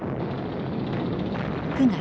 ９月。